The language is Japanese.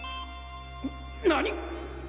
何！？